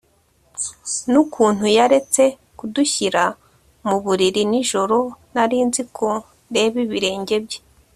nukuntu yaretse kudushyira mu buriri nijoro nari nzi ko ndeba ibirenge bye